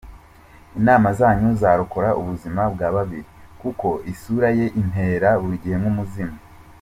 Inama zanyu zarokora ubuzima bwa babiri kuko isura ye intera buri gihe nk’umuzimu .